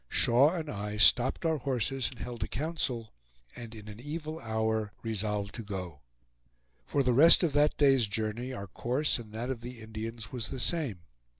Shaw and I stopped our horses and held a council, and in an evil hour resolved to go. For the rest of that day's journey our course and that of the Indians was the same.